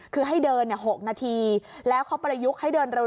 คือให้เดิน๖นาทีแล้วเขาประยุกต์ให้เดินเร็ว